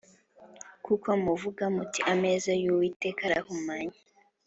kuko muvuga muti ‘Ameza y’Uwiteka arahumanye